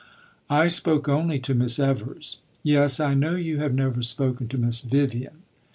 "I spoke only to Miss Evers." "Yes, I know you have never spoken to Miss Vivian."